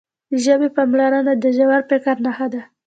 د ژبې پاملرنه د ژور فکر نښه ده.